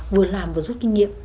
vừa làm vừa rút kinh nghiệm